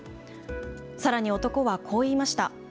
さらに男はこう言いました。